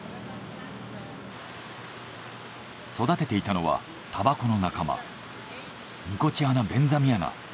育てていたのはタバコの仲間ニコチアナ・ベンザミアナという植物です。